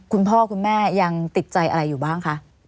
คุณพ่อคุณแม่ยังติดใจอะไรอยู่บ้างคะ